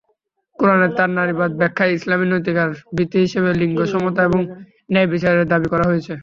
কুরআনের তার নারীবাদী ব্যাখ্যায় ইসলামী নৈতিকতার ভিত্তি হিসেবে লিঙ্গ সমতা এবং ন্যায়বিচারের দাবি করা হয়েছে।